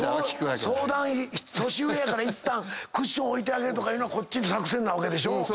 年上やからいったんクッション置いてあげるとかいうのはこっちの作戦なわけでしょ。